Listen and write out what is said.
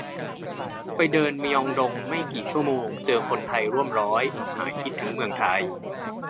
ไปเดินมยองดงไม่กี่ชั่วโมง เจอคนไทยร่วมร้อย หายคิดถึงเมืองไทย